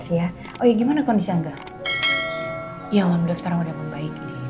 iya mudah mudahan sekarang udah membaik nih